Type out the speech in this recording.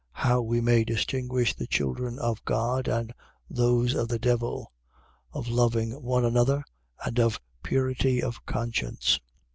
How we may distinguish the children of God and those of the devil. Of loving one another and of purity of conscience.